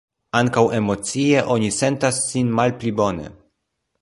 Ankaŭ emocie oni sentas sin malpli bone.